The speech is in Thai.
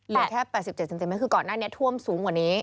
แค่๘๗เซนติเมตรคือก่อนหน้านี้ท่วมสูงกว่านี้